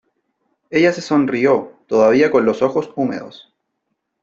ella se sonrió , todavía con los ojos húmedos :